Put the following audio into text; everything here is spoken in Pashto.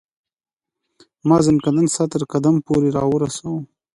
ما زکندن ستا تر قدم پوري را ورساوه